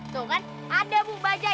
tuh kan ada bu bajai